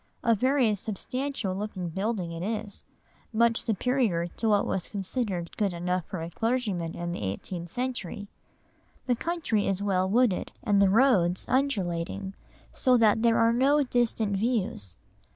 A very substantial looking building it is, much superior to what was considered good enough for a clergyman in the eighteenth century. The country is well wooded, and the roads undulating, so that there are no distant views.